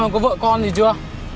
có vợ con gì chưa